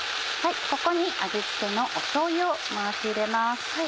ここに味付けのしょうゆを回し入れます。